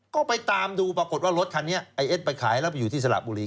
ก็ไปตามดูปรากฏว่ารถคันนี้ไอ้เอ็ดไปขายแล้วไปอยู่ที่สระบุรี